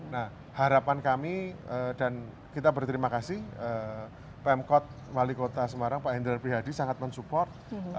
nah harapan kami dan kita berterima kasih pemkot wali kota semarang pak hendral prihadi sangat mensupport